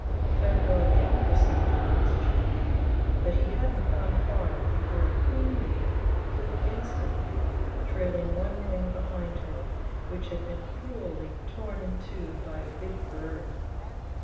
Ferko again proceeded on his journey, but he hadn't gone far before a queen bee flew against him, trailing one wing behind her, which had been cruelly torn in two by a big bird.